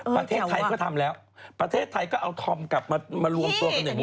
ประเทศไทยก็ทำแล้วประเทศไทยก็เอาธอมกลับมารวมตัวกันอย่างนี้